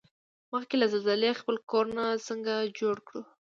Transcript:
مخکې له زلزلې خپل کورنه څنګه جوړ کوړو؟